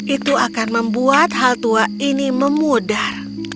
itu akan membuat hal tua ini memudar